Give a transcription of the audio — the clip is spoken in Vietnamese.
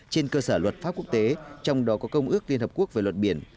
trên cơ sở luật pháp quốc tế trong đó có công ước liên hợp quốc về luật biển